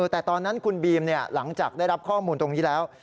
แต่ตอนนั้นคุณบีมหลังจากได้รับข้อมูลตรงนี้แล้ว